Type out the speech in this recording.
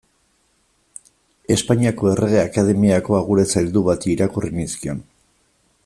Espainiako Errege Akademiako agure zaildu bati irakurri nizkion.